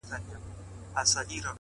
د خدای لپاره په ژړه نه کيږي ـ ـ